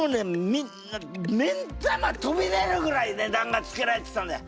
みんな目ん玉飛び出るぐらい値段がつけられてたんだよ。